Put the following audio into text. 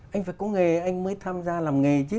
anh phải có nghề anh mới tham gia làm nghề chứ